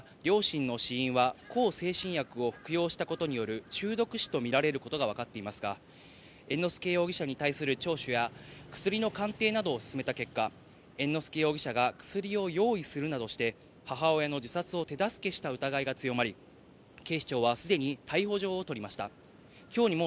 司法解剖の結果、両親の死因は向精神薬を服用したことによる中毒死とみられることがわかっていますが、猿之助容疑者に対する聴取や薬の鑑定などを進めた結果、猿之助容疑者が薬を用意するなどして、母親の自殺を手助けした疑いが強まり、警視庁は既に逮捕状を取りました。